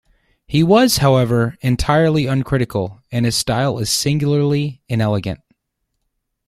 He was, however, entirely uncritical, and his style is singularly inelegant.